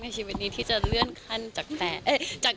ชีวิตนี้ที่จะเลื่อนขั้นจาก